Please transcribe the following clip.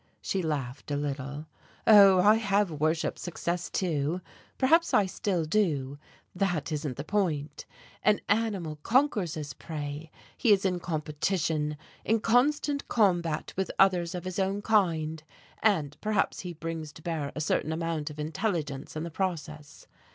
She laughed a little. "Oh, I have worshipped success, too. Perhaps I still do that isn't the point. An animal conquers his prey, he is in competition, in constant combat with others of his own kind, and perhaps he brings to bear a certain amount of intelligence in the process.